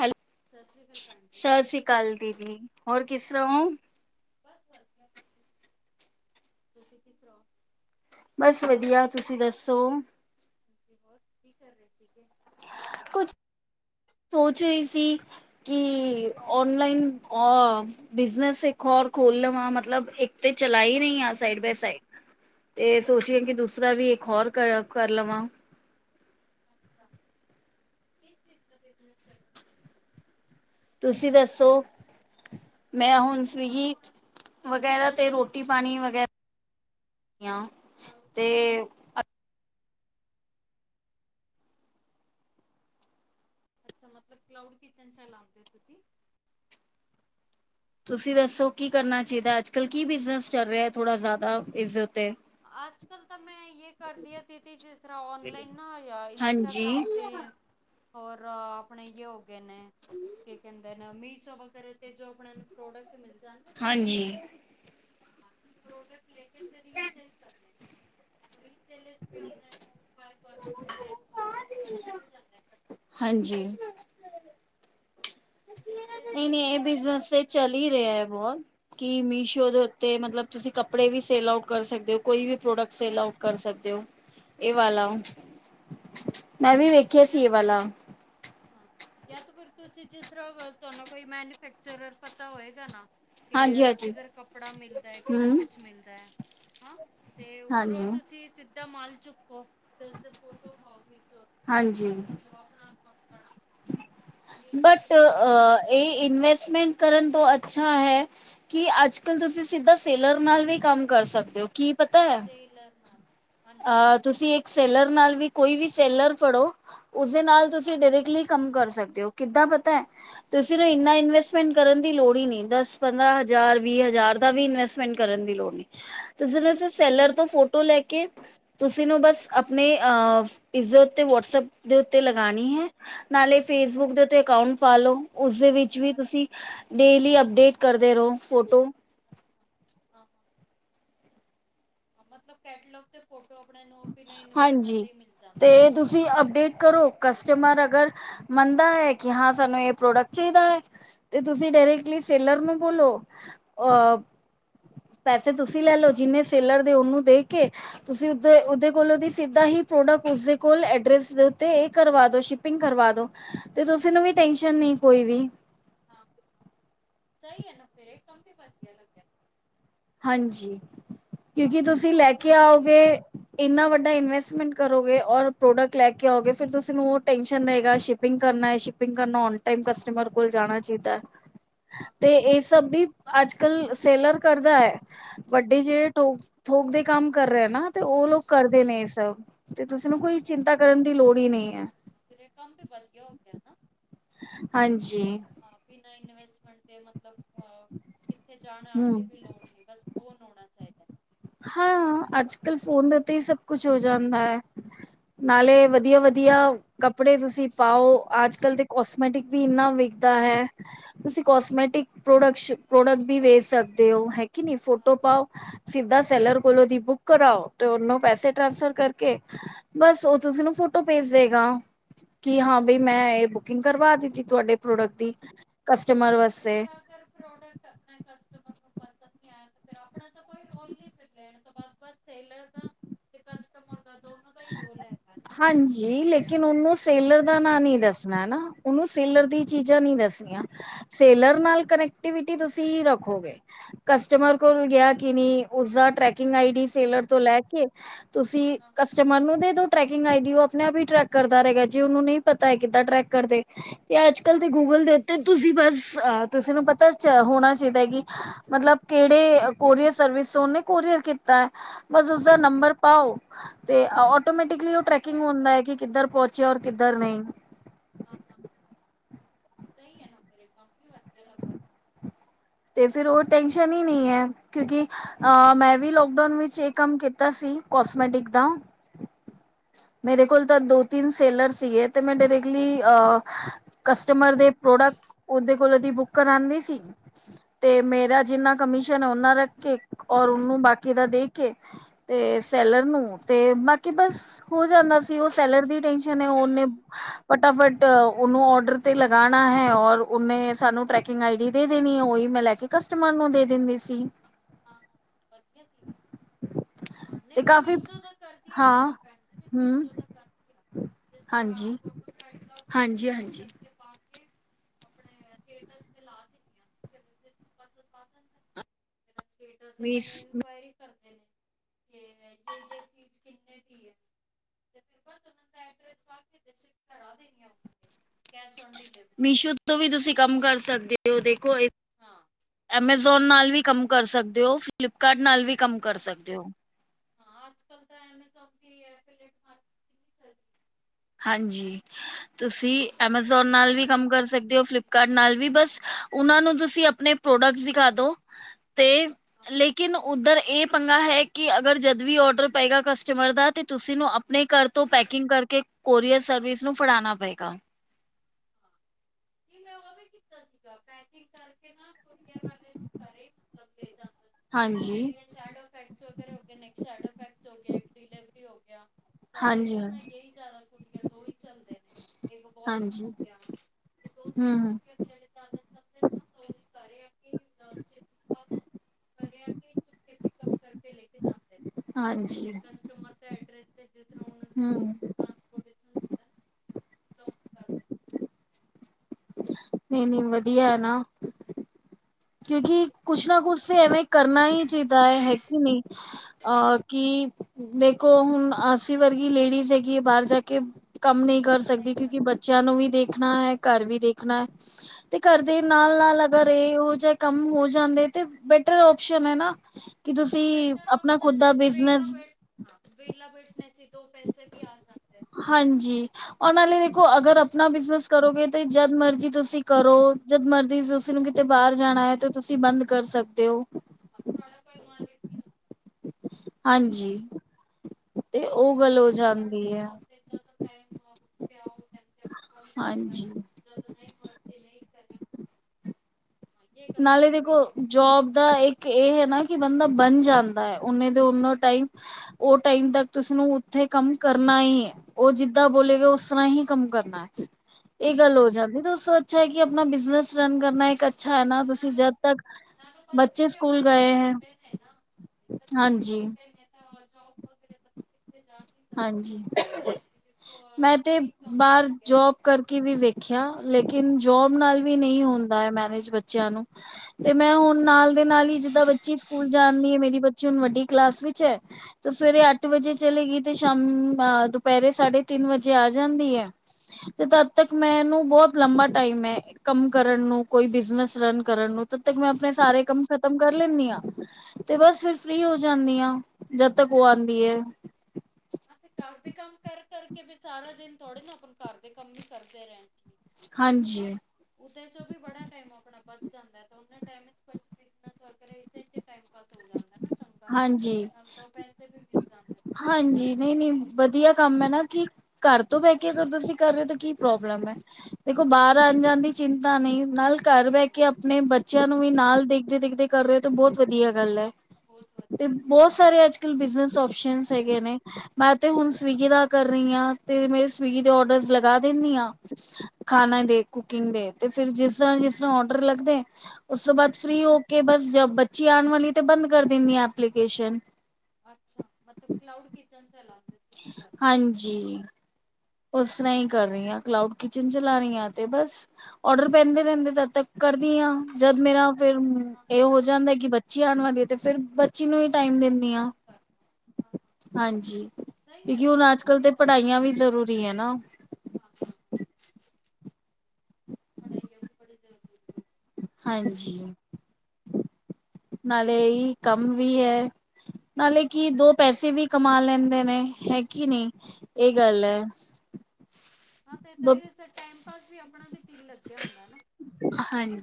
Hello, ਸਤਿ ਸ਼੍ਰੀ ਅਕਾਲ ਭੈਣ ਜੀ ਸਤਿ ਸ੍ਰੀ ਅਕਾਲ ਦੀਦੀ ਹੋਰ ਕਿਸ ਤਰ੍ਹਾਂ ਹਾਂਜੀ ਹੋ? ਬਸ ਬਸ ਤੁਸੀਂ ਸੁਣਾਓ, ਤੁਸੀਂ ਕਿਸ ਤਰ੍ਹਾਂ ਹੋ ਬਸ ਵਧੀਆ ਤੁਸੀਂ ਦੱਸੋ? ਹਾਂਜੀ ਹੋਰ ਕੀ ਕਰ ਰਹੇ ਸੀ‌ਗੇ? ਕੁਛ ਸੋਚ ਰਹੀ ਸੀ ਕਿ ਔਨਲਾਈਨ ਔ ਬਿਜਨਸ ਇੱਕ ਹੋਰ ਖੋਲ ਲਵਾ ਮਤਲਬ ਇੱਕ ਤੇ ਚਲਾ ਹੀ ਰਹੀ ਆ ਸਾਈਡ-ਬਾਏ-ਸਾਈਡ ਇਹ ਸੋਚ ਰਹੀ ਹਾਂ ਕਿ ਦੂਸਰਾ ਵੀ ਇੱਕ ਹੋਰ ਕਰਵ ਕਰ ਲਵਾ। ਅੱਛਾ। ਕਿਸ ਚੀਜ਼ ਦੇ ਥਰੂ ਕਰਨਾ ਤੁਸੀਂ ਤੁਸੀਂ ਦੱਸੋ? ਮੈਂ ਹੁਣ ਤਾਂ ਸਵੀਗੀ ਹੁਣ ਵਗੈਰਾ ਤੇ ਰੋਟੀ ਪਾਣੀ ਵਗੈਰਾ [unintelligible] ਕਲਾਊਡ ਕਿਚ ਐ ਤੇ ਅੱਛਾ, ਮਤਲਬ ਕਲਾਊਡ ਕਿਚਨ ਚਲਾਉਂਦੇ ਹੋ ਤੁਸੀਂ। ਤੁਸੀਂ ਦੱਸੋ, ਕੀ ਕਰਨਾ ਚਾਹੀਦਾ ਅੱਜ-ਕੱਲ ਕੀ ਬਿਜਨਸ ਚੱਲ ਰਿਹਾ ਹੈ ਥੋੜਾ ਜ਼ਿਆਦਾ ਇਸਦੇ ਉੱਤੇ? ਅੱਜ-ਕੱਲ ਤਾਂ ਮੈਂ ਯੇ ਕਰਦੀ ਆ ਦੀਦੀ ਜਿਸ ਤਰ੍ਹਾਂ ਔਨਲਾਈਨ ਨਾ ਯ ਹਾਂਜੀ ਇੰਸਟਾਗ੍ਰਾਮ ਤੇ ਹੋਰ ਆਪਣੇ ਯੇ ਹੋ ਗਏ ਨੇ ਕੀ ਕਹਿੰਦੇ ਨੇ ਮੀਸੋ ਵਗੈਰੇ ਤੇ ਜੋ ਆਪਣੇ ਪ੍ਰੋਡਕਟ ਮਿਲ ਜਾਂਦਾ ਹਾਂਜੀ ਹਾਂਜੀ ਪ੍ਰੋਡਕਟ ਲੈ ਕੇ ਤਰੀਕ ਚੇਂਜ ਕਰਨੇ ਉਹੀ ਤੇ [unintelligible] ਹਾਂਜੀ ਫਿਰ ਉਸ ਵਿੱਚ ਨਹੀਂ ਨਹੀਂ ਇਹ ਪ੍ਰੋਡਕਟ ਬਿਜਨਸ ਤੇ ਜਿਸ ਤਰ੍ਹਾਂ ਚੱਲ ਹੀ ਰਿਹਾ ਬਹੁਤ ਕਿ ਮੀਸ਼ੋ ਦੇ ਉੱਤੇ ਮਤਲਬ ਤੁਸੀਂ ਕੱਪੜੇ ਵੀ ਸੇਲ ਆਊਟ ਕਰ ਸਕਦੇ ਹੋ ਕੋਈ ਵੀ ਪ੍ਰੋਡਕਟ ਸੇਲ ਆਊਟ ਕਰ ਹਾਂਜੀ ਸਕਦੇ ਹੋ। ਇਹ ਵਾਲਾ ਹਾਂਜੀ ਮੈਂ ਹਾਂਜੀ, ਵੀ ਵੇਖਿਆ ਜਾਂ ਸੀ ਇਹ ਤਾਂ ਫਿਰ ਵਾਲਾ ਹਾਂ, ਜਾਂ ਤੇ ਫਿਰ ਤੁਸੀਂ ਜਿਸ ਤਰ੍ਹਾਂ ਤੁਹਾਨੂੰ ਕੋਈ ਮੈਨਫੈਕਚਰ ਪਤਾ ਹੋਏਗਾ ਨਾ ਤੇ ਹਾਂਜੀ ਆ ਹਾਂਜੀ ਕਿਧਰ ਕੱਪੜਾ ਮਿਲਦਾ ਹੈ ਕਿਧਰ ਹਮ ਕੁਛ ਮਿਲਦਾ ਹੈ। ਹਾਂ ਤੇ ਉਧਰੋਂ ਹਾਂਜੀ ਤੁਸੀਂ ਸਿੱਧਾ ਮਾਲ ਚੁੱਕੋ ਤੇ ਉਸਦੇ ਫੋਟੋ ਪਾਓ ਵੀ [unintelligible] ਹਾਂਜੀ ਮਤਲਬ ਆਪਣਾ ਅਕਾਊਂਟ ਬਣਾ ਕੇ। ਮੀਸ਼ੋ ਤੇ ਬਟ ਪਾਓ ਐਮਾਜ਼ਨ ਇਹ ਤੇ ਪਾਓ ਇਨਵੈਸਟਮੈਂਟ ਕਰਨ ਤੋਂ ਅੱਛਾ ਹੈ। ਕੀ ਅੱਜ ਕੱਲ ਤੁਸੀਂ ਸਿੱਧਾ ਸੇਲਰ ਨਾਲ ਵੀ ਕੰਮ ਕਰ ਸਕਦੇ ਹੋ। ਕਿ ਸੇਲਰ ਨਾਲ, ਹਾਂਜੀ। ਅ ਤੁਸੀਂ ਇੱਕ ਸੈਲਰ ਨਾਲ ਵੀ ਕੋਈ ਵੀ ਸੈਲਰ ਫੜੋ ਉਸਦੇ ਨਾਲ ਤੁਸੀਂ ਹਾਂ ਹਾਂ ਡਾਇਰੈਕਟਲੀ ਕੰਮ ਕਰ ਸਕਦੇ ਹੋ। ਕਿੱਦਾਂ ਪਤਾ ਹੈ? ਅੱਛਾ ਤੁਸੀਂ ਨਾ ਇੰਨਾ ਹਾਂਜੀ ਇਨਵੈਸਟਮੈਂਟ ਕਰਨ ਦੀ ਲੋੜ ਹੀ ਨੀ ਦਸ ਪੰਦਰਾਂ ਹਜ਼ਾਰ ਵੀਹ ਹਜ਼ਾਰ ਦਾ ਵੀ ਇਨਵੈਸਟਮੈਂਟ ਕਰਨ ਦੀ ਲੋੜ ਨੀ। ਤੁਸੀਂ ਨੂੰ ਅੱਛਾ ਸੈਲਰ ਤੋਂ ਫੋਟੋ ਲੈ ਕੇ ਤੁਸੀਂ ਨੂੰ ਹਾਂ ਬਸ ਹਾਂ ਹਾਂ ਆਪਣੇ। ਆ ਇਸਦੇ ਉੱਤੇ ਵਟਸਪ ਦੇ ਉੱਤੇ ਲਗਾਣੀ ਹੈ ਨਾਲੇ ਅੱਛਾ ਫੇਸਬੁੱਕ। ਤੇ ਅਕਾਊਂਟ ਪਾ ਲਓ, ਉਸਦੇ ਵਿੱਚ ਵੀ ਤੁਸੀਂ, ਅੱਛਾ ਡੇਲੀ ਅਪਡੇਟ ਕਰਦੇ ਰਹੋ ਫੋਟੋ। ਅੱਛਾ, ਹਾਂ-ਹਾਂ। ਮਤਲਬ ਕੈਟਲੋਗ ਤੇ ਫੋਟੋ ਆਪਣੇ ਨੂੰ, ਬਿਨਾਂ ਇਨਵੈਸਟਮੈਂਟ ਹਾਂਜੀ ਦੇ ਹੀ ਮਿਲ ਤੇ ਜਾਂਦੇੈ। ਤੁਸੀਂ ਅਪਡੇਟ ਕਰੋ, ਕਸਟਮਰ ਅਗਰ ਮੰਨਦਾ ਏ, ਕਿ ਹਾਂ ਸਾਨੂੰ ਇਹ ਪ੍ਰੋਡਕਟ ਚਾਹੀਦਾ ਏ ਤੇ ਤੁਸੀਂ ਹਾਂ ਡਾਇਰੈਕਟਲੀ ਸੇਲਰ ਨੂੰ ਬੋਲੋ ਅ ਪੈਸੇ ਤੁਸੀਂ ਲੈ ਲਓ, ਜਿੰਨੇ ਸੇਲਰ ਦੇ ਉਹਨੂੰ ਦੇ ਕੇ, ਤੁਸੀਂ ਤੇ ਉਦੇ ਅੱਛਾ ਕੋਲੋਂ ਦੀ ਸਿੱਧਾ ਹੀ ਪ੍ਰੋਡਕਟ, ਉਸਦੇ ਕੋਲ ਐਡਰੈਸ ਦੇ ਉੱਤੇ, ਇਹ ਕਰਵਾ ਦੋ ਸ਼ਿਪਿੰਗ ਕਰਵਾ ਦੋ। ਤੇ ਤੁਸੀਂ ਨੂੰ ਵੀ ਅੱਛਾ ਟੈਨਸ਼ਨ ਨੀ ਕੋਈ ਵੀ। ਹਾਂ, ਹਾਂ, ਹਾਂ, ਹਾਂ ਸਹੀ ਹੈ ਨਾ ਫ਼ਿਰ, ਇਹ ਕੰਮ ਵੀ ਵਧੀਆ ਲੱਗਿਆ। ਹਨਾ ਹਾਂਜੀ, ਹਾਂ ਕਿਉਂਕਿ ਮੈਂ ਵੀ ਤੁਸੀਂ ਲੈ ਹੁਣ ਕੇ ਨਾ ਕਰੇ ਆਓਗੇ ਇੰਨਾ ਵੱਡਾ ਹਾਂ ਇਨਵੈਸਟਮੈਂਟ ਕਰੋਗੇ ਔਰ ਪ੍ਰੋਡਕਟ ਲੈ ਕੇ ਆਓਗੇ, ਫਿਰ ਤੁਸੀਂ ਉਹ ਟੈਨਸ਼ਨ ਰਹੇਗਾ ਸ਼ਿਪ ਸ਼ਪਿੰਗ ਕਰਨਾ ਏ, ਸ਼ਿਪਿੰਗ ਕਰਨਾ ਔਨ ਟਾਈਮ ਕਸਟਮਰ ਕੋਲ ਜਾਣਾ ਚਾਹੀਦਾ। ਹਾਂ ਹਾਂ ਤੇ ਹਾਂ, ਇਹ ਸਭ ਵੀ, ਅੱਜ-ਕਲ ਸੇਲਰ ਕਰਦਾ ਐ। ਵੱਡੇ ਜੇੜੇ ਟੋ ਥੋਕ ਦੇ ਕੰਮ ਕਰ ਰਹੇ ਨਾ ਤੇ ਉਹ ਲੋਕ ਕਰਦੇ ਹਾਂਜੀ ਨੇ ਇਹ ਸਭ। ਤੇ ਤੁਸੀਂ ਨੂੰ ਕੋਈ ਅੱਛਾ ਚਿੰਤਾ ਹਾਂ, ਕਰਨ ਦੀ ਲੋੜ ਹੀ ਨਹੀਂ ਐ। ਫਿਰ ਇਹ ਕੰਮ ਤੇ ਵਧੀਆ ਹੋ ਗਿਆ ਨਾ। ਹਾਂਜੀ। ਹਾਂ ਬਿਨਾਂ ਇਨਵੈਸਟਮੈਂਟ ਦੇ ਮਤਲਬ ਅ ਕਿੱਥੇ ਜਾਣ -ਆਣ ਦੀ ਹਮ ਵੀ ਲੋੜ ਨੀ। ਬਸ ਫੋਨ ਆਉਣਾ ਚਾਹੀਦੈ। ਹਾਂ, ਅੱਜ- ਕੱਲ ਫੋਨ ਦੇ ਉੱਤੇ ਹੀ ਸਭ ਕੁਛ ਹੋ ਜਾਂਦਾ ਐ। ਹੈ। ਹਾਂ ਨਾਲੇ, ਵਧੀਆ- ਵਧੀਆ। ਕੱਪੜੇ ਤੁਸੀਂ ਪਾਓ, ਅੱਜ- ਹਾਂ ਕਲ ਤੇ ਕੋਸਮੈਟਿਕ ਵੀ ਇੰਨਾ ਵਿਕਦਾ ਹੈ। ਤੁਸੀਂ ਹਾਂ ਕੋਸਮੈਟਿਕ ਪ੍ਰੋਡਕਸ਼ ਪ੍ਰੋਡਕਟ ਵੀ ਵੇਚ ਸਕਦੇ ਹੋ, ਹੈ ਕੇ ਨੀ, ਹਾਂ ਫੋਟੋ ਪਾਓ। ਸਿੱਧਾ ਸੈਲਰ ਕੋਲੋਂ ਜੀ ਬੁੱਕ ਕਰਾਓ ਤੇ ਉਹਨੂੰ ਪੈਸੇ ਟ੍ਰਾਂਸਫਰ ਕਰਕੇ ਬਸ ਉਹ ਤੁਸੀਂ ਨੂੰ ਫੋਟੋ ਭੇਜ ਦਏਗਾ। ਕੀ ਹਾਂ ਬਈ ਮੈਂ ਏ ਬੁਕਿੰਗ ਕਰਵਾ ਦਿੱਤੀ ਤੁਹਾਡੇ ਪ੍ਰੋਡਕਟ ਦੀ, ਹਾਂ ਕਸਟਮਰ ਵ ਤੇ ਅਗਰ ਪ੍ਰੋਡਕਟ ਰੱਖਣਾ ਏ ਕਸਟਮਰ ਨੂੰ। ਪਸੰਦ ਨੀ ਆਇਆ ਤੇ ਫਿਰ, ਆਪਣਾ ਤਾਂ ਕੋਈ ਰੋਲ ਨੀ ਫਿਰ ਲੈਣ ਤੋਂ ਬਸ ਸੇਲਰ ਦਾ ਤੇ ਕਸਟਮਰ ਦਾ ਦੋਨੋ ਦਾ ਹੀ ਰੋਲ ਹੈਗਾ ਨਾ। ਹਾਂਜੀ। ਲੇ ਕਿਨ ਉਨੂੰ ਸੇਲਰ ਦਾ ਨਾਂ ਨੀ ਦੱਸਣਾ ਨਾ, ਉਨੂੰ ਸੇਲਰ ਦੀ ਚੀਜ਼ਾਂ ਅੱਛਾ ਨਹੀਂ ਦੱਸਣੀਆਂ। ਸੇਲਰ ਨਾਲ ਕਨੈਕਟੀਵਿਟੀ ਤੁਸੀਂ ਹੀ ਰੱਖੋਗੇ। ਕਸਟਮਰ ਕੋਲ ਵੀ ਅੱਛਾ ਗਿਆ ਕਿ ਨਹੀਂ, ਉਸਦਾ ਟਰੈਕਿੰਗ ਆਈ ਡੀ ਸੇਲਰ ਤੋਂ ਲੈ ਕੇ ਤੁਸੀਂ ਹਾਂ ਹਾਂ ਹਾਂ, ਕਸਟਮਰ ਨੂੰ ਦੇ ਦੋ ਟਰੈਕਿੰਗ ਆਈ ਡੀ, ਉਹ ਆਪਣੇ ਆਪ ਹੀ ਟਰੈਕ ਕਰਦਾ ਰਹੇਗਾ। ਜੇ ਉਹਨੂੰ ਨਹੀਂ ਪਤਾ ਹੈ ਕਿੱਦਾਂ ਟਰੈਕ ਕਰਦੇ ਤੇ ਅੱਜ-ਕੱਲ ਤੇ ਅੱਛਾ ਗੂਗਲ ਦੇ ਉੱਤੇ ਤੁਸੀਂ ਬਸ ਅ ਤੁਸੀਂ ਨੂੰ ਪਤਾ ਹੋਣਾ ਚਾਹੀਦਾ ਹੈ ਕਿ ਮਤਲਬ ਕਿਹੜੇ ਕੋਰੀਅਰ ਸਰਵਿਸ ਤੋਂ ਉਨੇ ਕੋਰੀਅਰ ਕੀਤਾ। ਬਸ ਉਸਦਾ ਅੱਛਾ ਨੰਬਰ ਪਾਓ ਤੇ ਆਟੋਮੈਟਿਕਲੀ ਓ ਟਰੈਕਿੰਗ ਟਰੈਕ ਹੁੰਦਾ ਹੈ ਕਰੋ ਕਿ ਕਿੱਧਰ ਪਹੁੰਚਿਆ ਔਰ ਕਿੱਧਰ ਅੱਛਾ ਨਹੀਂ। ਹਾਂ, ਹਾਂ, ਹਾਂ ਸਹੀ ਹੈ ਨਾ ਫਿਰ ਇਹ ਕੰਮ ਵੀ ਵਧੀਆ ਲੱਗਿਆ। ਤੇ ਫਿਰ ਉਹ ਮੈਨੂੰ। ਉਸ ਟੈਂਸ਼ਨ ਹੀ ਨਹੀਂ ਹੈ ਕਿਉਂਕਿ ਅ ਮੈਂ ਵੀ ਲੋਕਕਡਾਊਨ ਵਿੱਚ ਇਹ ਕੰਮ ਕੀਤਾ ਸੀ, ਕੋਸਮੈਟਿਕ ਦਾ। ਮੇਰੇ ਕੋਲ ਤਾਂ ਦੋ-ਤਿੰਨ ਸੇਲਰ ਸੀਗੇ ਤੇ ਮੈਂ ਡਾਇਰੈਕਟਲੀ ਅ ਕਸਟਮਰ ਦੇ ਪ੍ਰੋਡਕਟ, ਉਦੇ ਕੋਲ ਦੀ ਬੁੱਕ ਕਰਾਂਦੀ ਸੀ। ਤੇ ਮੇਰਾ ਜਿੰਨਾ ਕਮਿਸ਼ਨ ਓਨਾ ਰੱਖ ਕੇ, ਔਰ ਓਨੂੰ ਬਾਕੀ ਦਾ ਦੇ ਕੇ ਤੇ ਸੈਲਰ ਨੂੰ ਤੇ ਬਾਕੀ ਬਸ ਹੋ ਜਾਂਦਾ ਸੀ ਓ ਸੈਲਰ ਦੀ ਟੈਸ਼ਨ ਏ ਓਨੇ ਫਟਾਫਟ ਓਨੂੰ ਓਡਰ ਤੇ ਲਗਾਨਾ ਹੈ ਔਰ ਓਨੇ ਸਾਨੂੰ ਟ੍ਰੈਕਿੰਗ ਆਈ ਡੀ ਦੇ ਦੇਨੀ ਐ ਓਹੀ ਮੈਂ ਲੈ ਕੇ ਕਸਟਮਰ ਨੂੰ ਅੱਛਾ ਦੇ ਦਿੰਦੀ ਸੀ। ਵਦੀਆ ਸੀਗਾ। ਹਾਂ ਨਈ ਤੇ ਮੈਂ ਕਾਫੀ ਮੀਸ਼ੋ ਦਾ ਕਰਦੀ ਆ ਹਾਂ ਵਾਂ ਭੈਣ ਜੀ ਮੈਂ ਹੂੰ ਮੀਸ਼ੋ ਦਾ ਕਰਦੀ ਆ। ਜਿਸ ਤਰਾਂ ਹਾਂਜੀ ਫੋਟੋ ਟਾਈਪ ਵਲੋਗ ਹੁੰਦਾ ਐ ਹਾਂਜੀ ਨਾ ਇਨਸਟਾ ਹਾਂਜੀ ਤੇ ਪਾਕੇ ਅਪਨੇ ਸਸੇਟਸ ਤੇ ਲਾ ਦਿੰਦੀ ਆ ਫਿਰ ਜਿਸ ਨੂੰ ਪਸੰਦ ਆੰਦਾ ਨਾ ਮੇਰਾ ਸਟੇਟਸ ਓ ਮੈਨੂੰ ਮੀਸ ਇਨਕੁਇਰੀ ਕਰਦੇ ਨੇ। ਕੇ ਕੀ-ਕੀ ਚੀਜ਼ ਕਿੰਨੇ ਦੀ ਐ? ਤੇ ਫਿਰ ਬਸ ਓਨਾਂ ਦਾ ਐਡਰੈਸ ਪਾ ਕੇ ਤੇ ਸ਼ਿਪ ਕਰਾ ਦੇਨੀ ਆ ਓਨਾਂ ਦੇ ਕੈਸ਼ ਓਨ ਡਿਲੀਵ ਮੀਸ਼ੋ ਤੋਂ ਵੀ ਤੁਸੀਂ ਕੰਮ ਕਰ ਸਕਦੇ ਓ ਦੇਖੋ ਏ ਹਾਂ ਐਮਾਜ਼ੋਨ ਨਾਲ ਵੀ ਕੰਮ ਕਰ ਸਕਦੇ ਓ, ਫਲਿਪਕਾਰਟ ਹਾਂ ਨਾਲ ਵੀ ਕੰਮ ਕਰ ਅੱਜ ਸਕਦੇ ਓ। ਹਾਂ ਆੱਜ ਕਲ ਤਾਂ ਐਮਜ਼ੋ ਵੀ ਐ ਲੇਟਮਾਰ ਹਾਂਜੀ ਤੁਸੀਂ ਐਮਾਜ਼ੋਨ ਨਾਲ ਵੀ ਕੰਮ ਕਰ ਸਕਦੇ ਓ ਫਲਿੱਪਕਾਰਟ ਨਾਲ ਵੀ ਬਸ ਓਨਾਂ ਨੂੰ ਤੁਸੀਂ ਅਪਨੇ ਪ੍ਰੋਡਕਟ ਦਿਖਾ ਦੋ ਤੇ ਲੇਕਿਨ ਉਧਰ ਏ ਪੰਗਾ ਹੈ ਕਿ ਅਗਰ ਜਦ ਵੀ ਓਡਰ ਪਏਗਾ ਕਸਟਮਰ ਦਾ ਤੇ ਤੁਸੀਂ ਨੂੰ ਅ ਪਨੇ ਘਰ ਤੋਂ ਪੈਕਿੰਗ ਕਰਕੇ ਕੋਰੀਅਰ ਸਰਵਿਸ ਨੂੰ ਫੜਾਨਾ ਪਏਗਾ। ਓਵੀ ਕੀਤਾ ਸੀਗਾ ਪੈਕਿੰਗ ਕਰਕੇ ਨਾ ਕੁਰੀਅਰ ਵਾਲੇ ਨੂੰ ਘਰੇ ਮਤਲਬ ਲੈ ਜਾਂਦਾ ਸੀ। ਹਾਂਜੀ। ਸੈਡ ਇਫੈਕਟਸ ਵਗੈਰਾ ਹੋ ਗਏ ਨੇੈਕਸਟ ਸੈਡ ਇਫੈਕਟਸ ਹੋ ਗਿਆ ਡਿਲੀਵਰੀ ਹੋ ਗਿਆ। ਸਾਡੇ ਹਾਂਜੀ, ਇੱਧਰ ਹਾਂਜੀ, ਨਾ ਯਈ ਜਾਦਾ ਕੁਰੀ ਅਰ ਦੋ ਈ ਚੱਲਦੇ ਨੇ ਇੱਕ ਬੋਲਮੋ ਹਾਂਜੀ, ਹੋ ਗਿਆ ਇਹ ਦੋ-ਤਿੰਨ ਹੂੰ, ਹੂੰ। ਕੋਰੀਅਰ ਜੇੜੇ ਚਲਦੇ ਚਲਦੇ ਨਾ ਤੋ ਓ ਹੀ ਨ ਘਰੇ ਆ ਕੇ [unintelligible] ਸ਼ਿਪੀਂਗ ਕਰਦੁ। ਘਰੇ ਆ ਕੇ ਚੁੱਕ ਕੇ ਪਿਕਅਪ ਕਰਕੇ ਲੈ ਕੇ ਜਾਂ ਦੇ ਹਾਂਜੀ। ਤੇ ਕਸਟਮਰ ਦਾ ਐਡਰਸ ਤੇ ਜਿਸ ਤਰ੍ਹਾਂ ਓਨਾ ਦੀ ਹੂੰ। ਸ਼ਿਪਿੰਗ ਟ੍ਰਾਂਸਪੋਰਟ ਤੇ ਨਈ-ਨਈ ਵਦੀਆ ਐ ਨਾ। ਹਾਂ ਕਿਉਂਕਿ ਤੇ ਕੁਛ ਜਾਣ ਨਾ ਕੁਛ ਤੇ ਐਵੇਂ ਕਰਨਾ ਈ ਚਾਈਦਾ ਹੈ ਹੈ ਕਿ ਨਈ। ਅ ਕੀ ਦੇਖੋ ਹੁਣ ਅਸੀ ਵਰਗੀ ਲੇਡੀਜ਼ ਹੈਗੀ ਐਂ ਬਾਰ ਜਾ ਕੇ ਕੰਮ ਨਈ ਕਰ ਨਹੀਂ ਸਕਦੀ ਕਰ ਕਿਉਂਕਿ ਬੱ ਚਿਆ ਸਕਦੇ ਨੂੰ ਵੀ ਦੇਖਨਾ ਐ ਘਰ ਵੀ ਦੇਖਨਾ ਐ ਹਾਂਜੀ ਤੇ ਘਰ ਦੇ ਨਾਲ- ਨਾਲ ਅਗਰ ਏ ਓ ਜੇ ਕੰਮ ਹੋ ਜਾਂਦੇ ਤੇ ਬੈਟਰ ਓਪਸ਼ਨ ਹੈ ਨਾ। ਕੀ ਹਾਂ ਤੁਸੀਂ ਬੈਟਰ ਆਪਣਾ ਖੁਦ ਆਪਸ਼ਨ ਦਾ ਹੈ ਤੇ ਵੇਲਾ ਬਿਜਨਸ ਬੈਠ ਹਾਂ ਵੇਲਾ ਬੈਠਨੇ ਚ ਦੋ ਪੈਸੇ ਵੀ ਆ ਜਾਯੇ। ਹਾਂਜੀ। ਓ ਨਾਲੇ ਦੇਖੋ ਅਗਰ ਅਪਨਾ ਬਿਜਨਸ ਕਰੋਗੇ ਤੇ ਜਦ ਮਰਜੀ ਤੁਸੀਂ ਕਰੋ ਜਦ ਮਰਜੀ ਤੁਸੀਂ ਨੂੰ ਕਿ ਤੇ ਬਾਰ ਹਾਂ, ਜਾਨਾ ਐ ਤੇ ਤੁਸੀਂ ਬੰਦ ਕਰ ਸਕਦੇ ਓ। ਹਾਂ ਸਾਡਾ ਕੋਈ ਮਾਲ ਏ ਹਾਂਜੀ ਤੇ ਓ ਗੱਲ ਓ ਜਾਂਦੀ ਐ। ਜੇ ਅਗਰ ਟਾਈਮ ਹੁਆ ਤਿਆਰ ਹੋ ਪੈਂਦੇ ਆ ਗਲ ਕਰਨੇ ਆ ਹਾਂਜੀ। ਜਦ ਨਈ ਮਰਚੀ ਨਈ ਕਰੇ। ਨਾਲੇ ਬੜੀ ਦੇਖੋ ਹੈ ਜੋਬ ਦਾ ਇੱਕ ਏ ਹੈ ਨਾ ਕਿ ਬੰਦਾ ਬਨ ਜਾਂ ਦਾ ਏ ਓਨੇ ਦੋਨੋ ਟੈਈਮ ਹਾਂਜੀ ਓ ਟਾਈਮ ਤੱਕ ਤੁਸਾਨੂੰ ਉੱਥੇ ਕੰਮ ਹਾਂ ਕਰਨਾ ਈ ਏ ਓ ਜਿੱ ਦਾਂ ਬੋਲੇਗਾ ਹਾਂ ਉਸ ਤਰਾਂ ਈ ਕੰਮ ਕਰਨਾ ਐ, ਏ ਗੱਲ ਹਾਂਜੀ ਹੋ ਜਾਂਦੀ ਤੇ ਓਸ ਤੋਂ ਅੱਛਾ ਹੈ ਕਿ ਅਪਨਾ ਬਿਜਨਸ ਰਨ ਕਰਨਾ ਇੱਕ ਅੱਛਾ ਹੈ ਨਾ ਹਾਂ ਤੁਸੀਂ ਨਾਲੇ ਜਦ ਤੱਕ ਨਾਲੇ ਬੱਚੇ ਵੀ ਸਕੂਲ ਅਪਨੇ ਗਏ ਹੈ ਛੋਟੇ ਨੇ ਨਾ, ਹਾਂਜੀ ਬੱਚੇ ਵੀ ਹਾਂਜੀ ਛੋਟੇ [unintelligible] ਸਕਦੇ ਹਾਂਜੀ, ਮੈਂ ਤੇ ਬਾਰ ਜੋਬ ਕਰਕੇ ਵੀ ਵੇਖ ਖੇਆ ਲੇਕਿਨ ਜੋਬ ਨਾਲ ਅੱਛਾ ਵੀ ਨੀਂ ਹੁੰਦੈ ਮੈਨੇਜ, ਬੱਚਿਆਂ ਨੂੰ। ਤੇ ਮੈਂ ਹੁਣ ਨਾਲ ਦੇ ਨਾਲ ਈਂ ਜਿੱਦਾਂ ਬੱਚੀ ਸਕੂਲ ਜਾਨਦੀ ਏ ਮੇਰੀ ਬੱਚੀ ਹੁਨ ਵੱਡੀ ਕਲਾਸ ਵਿੱਚ ਐ ਤੇ ਸਵੇਰੇ ਅੱਠ ਵਜੇ ਚਲੇਗੀ ਅ ਦੁਪੈਰੇ ਸਾਢੇ ਤਿੰਨ ਵਜੇ ਆ ਜਾਂਦੀ ਐ, ਤੇ ਤਦ ਤੱਕ ਮੈਂ ਏਨੂੰ ਬੋਤ ਲੰਬਾ ਟਾਈਮ ਐ। ਕੰਮ ਕਰਨ ਨੂੰ, ਕੋਈ ਬਿਜਨਸ ਰਨ ਕਰਨ ਨੂੰ, ਤਦ ਤੱਕ ਮੈਂ ਆਪਨੇ ਸਾਰੇ ਕੰਮ ਖਤਮ ਕਰ ਲੈਨੀ ਆ। ਤੇ ਬਸ ਫਿਰ ਫ੍ਰਰੀ ਹੋ ਜਾਂਨੀ ਆ, ਜਦ ਤੱਕ ਓ ਆਂਦੀ ਏ। ਆ ਤੇ ਕਰ ਦੇ ਕੰਮ ਕਰ ਕਰਕੇ ਬੀ ਸਾਰਾ ਦਿਨ ਥੋੜ੍ਹੇ ਨਾ ਆਪਾਂ ਕਰ ਦੇ ਕੰਮ ਵੀ ਕਰਦੇ ਰੈਨ ਜੀ। ਹਾਂਜੀ। ਉਸੇ ਚ ਵੀ ਬੜਾ ਟੈਮ ਅਪਣਾ ਬਚ ਜਾਂਦਾ ਤੋਂ ਉਤਨੇ ਟੈਮ ਚ ਬੀਜਨਸ [unintelligible] ਪਾਸ ਹੋ ਜਾਂਦੈ ਨਾ ਚੰਗਾ, ਹਾਂਜੀ। ਤਾਂ ਦੋ ਪੈਸੇ ਵੀ ਮਿਲ ਜਾਂਦੇ ਨੇ। ਆਪਣੇ ਹਾਂਜੀ, ਨਈ-ਨਈ ਵਧੀਆ ਕੰਮ ਏ ਨਾ ਕੀ ਘਰ ਤੋਂ ਬੈ ਕੇ ਅਗਰ ਤੁਸੀਂ ਕਰ ਰੇਓ ਤੇ ਕੀ ਪ੍ਰੋਬਲਮ ਐ। ਦੇਖੋ, ਹਾਂ ਬਾਰ ਆਨ-ਜਾਨ ਦੀ ਚਿੰਤਾ ਨੀ ਨਾਲ ਕਰ ਬੈ ਨਹੀਂ ਕੇ ਅਪਨੇ ਬੱਚਿਆਂ ਨੂੰ ਵੀ ਨਾਲ ਦੇਖਦੇ-ਦੇਖਦੇ ਕਰ ਰੇਓ ਤਾਂ ਬੋਤ ਵਧੀਆ ਗੱਲ ਏ। ਬਹੁਤ ਤੇ ਵਧੀਆ ਸਹੀ ਬੋਤ ਹੈ ਸਾਰੇ ਅੱਜ-ਕਲ ਬਿਜਨਸ ਓਪਸ਼ਨ ਹੈਗੇ ਨੇ। ਮੈਂ ਤੇ ਹੁਨ ਨਾ ਹਾਂ ਸਵੀਗੀ ਨਾਲ ਕਰਰੀ ਆ, ਤੇ ਮੇਰੇ ਸਵਿਗੀ ਦੇ ਅੋਡਰਸ ਲਗਾ ਦੈਨੀ ਆਂ। ਹਾਂ ਖਾਨਾ ਦੇ, ਕੁਕਿੰਗ ਦੇ ਤੇ ਫਿਰ ਜਿਸ ਤਰਾ ਅੱਛਾ ਜਿਸ ਤਰ੍ਹਾਂ ਔਡਰ ਲੱਗਦੇ ਉਸ ਤੋਂ ਬਾਦ ਫ੍ਰਰੀ ਹੋ ਕੇ ਬਸ, ਜਬ ਬੱਚੀ ਆਨ ਵਾਲੀ ਤੇ ਬੰਦ ਕਰ ਦੈਨੀ ਆ ਐਪਲੀਕੇਸ਼ਨ। ਅੱਛਾ ਮਤਲਬ ਕਲਾਊਡ ਕਿਚਨ ਚਲਾ ਹਾਂਜੀ। ਉਸ ਤਰ੍ਹਾਂ ਈ ਕਰ ਰੀਆਂ, ਕਲਾਊਡ ਕਿਚਨ ਚਲਾ ਰੀ ਆ ਤੇ ਬਸ ਔਡਰ ਪੈਂਦੇ ਰੈਂਦੇ ਤਦ ਤੱਕ ਕਰਦੀ ਆ, ਜਦ ਮੇਰਾ ਫੇਰ ਹਾਂ ਹਾਂ, ਏ ਹੋ ਹਾਂ, ਜਾਂਦੈ ਕਿ ਬੱਚੀ ਆਨ ਵਾਲੀ ਏ, ਤੇ ਫੇਰ ਬੱਚੀ ਨੂੰ ਈ ਟਾਈਮ ਦੇ ਬੰਦ ਕਰਤਾ ਹਾਂ ਹਾਂ ਹਾਂਜੀ, ਕਿਉਂਕਿ ਹੁਨ ਅੱਜ-ਕੱਲ ਤੇ ਪੜ੍ਹਾਈਆਂ ਵੀ ਜ਼ਰੂਰੀ ਵੀ ਏਨਾ ਹਾਂ, ਹਾਂ, ਹਾਂ ਪੜਾਈਆਂ ਵੀ ਬੜੀ ਜਰੂਰੀ ਹੋਗੀ ਏ। ਹਾਂਜੀ, ਨਾਲੇ ਏਹੀ ਕੰਮ ਵੀ ਐ ਨਾਲੇ ਕਿ ਦੋ ਪੈਸੇ ਵੀ ਕਮਾ ਲੈਂਦੇ ਨੇ, ਹੈਕੇ ਨੀ? ਹਾਂਜੀ, ਹਾਂ ਤੇ ਤਾਂਹੀ ਫੇਰ ਟੈਮ ਪਾਸ ਵੀ ਅਪਨਾ ਬਈ ਕੀ ਲੱਗਿਆ ਹੁੰਦਾ ਨਾ ਹਾਂਜੀ।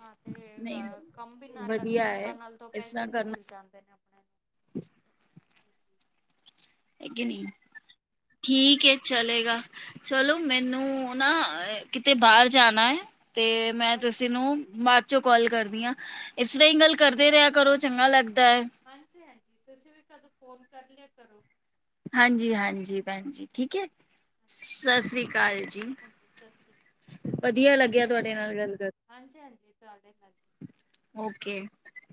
ਹਾਂ, ਤੇ ਨਹੀਂ ਨਹੀਂ ਕੰਮ ਵੀ ਨਾਲ ਵਧੀਆ ਲੱਗੇਯਾ ਹੁੰਦਾ ਹੈ ਤੇ ਨਾਲ ਦੋ ਇਸ ਪੈਸੇ ਤਰ੍ਹਾਂ ਵੀ ਕਰਨਾ ਮਿਲ ਜਾਂਦੇ ਨੇ। ਹਾਂਜੀ। ਹੈਕੇ ਨੀਂ, ਹਾਂ ਠੀਕ ਏ ਚਲੇਗਾ। ਚਲੋ, ਮੈਨੂੰ ਨਾ ਕਿਤੇ ਬਾਰ ਜਾਣਾ ਏ ਤੇ ਮੈਂ ਤੁਸੀ ਅੱਛਾ ਨੂੰ ਬਾਦ ਚੋਂ ਕੋਲ ਕਰਦੀ ਆ। ਏਸਰਾਂ ਈ ਗੱਲ ਕਰਦੇ ਰੇਯਾ ਕਰੋ, ਚੰਗਾ ਲੱਗਦੈ। ਹਾਂਜੀ-ਹਾਂਜੀ, ਤੁਸੀਂ ਵੀ ਕਦ ਫੋਨ ਕਰ ਲੇਆ ਕਰੋ। ਹਾਂਜੀ-ਹਾਂਜੀ ਭੈਣ ਜੀ ਠੀਕ ਐ। ਹਾਂਜੀ, ਸਤਿ ਹਾਂਜੀ, ਸ੍ਰੀ ਅਕਾਲ ਜੀ। ਹਾਂਜੀ ਸਤਿ ਸ੍ਰੀ ਵਧੀਆ ਲੱਗਿਆ ਤੁਹਾਡੇ ਕਾਲ। ਨਾਲ ਗੱਲ ਕਰ ਹਾਂਜੀ-ਹਾਂਜੀ ਤੁਆਡੇ ਨਾਲ। ਓਕੇ।